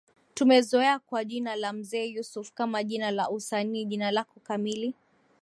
tumezoea kwa jina la Mzee Yusuf kama jina la usanii jina lako kamili